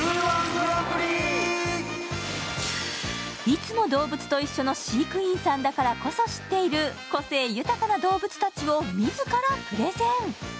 いつも動物と一緒の飼育員さんだからこそ知っている個性豊かな動物たちを自らプレゼン。